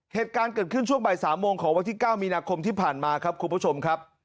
เหตุการณ์เกิดขึ้นช่วงบ่าย๓โมงของวันที่๙มีนาคมที่ผ่านมาครับคุณผู้ชมครับ